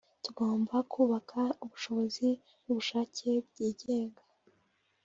Tugomba kubaka ubushobozi n’ubushake byigenga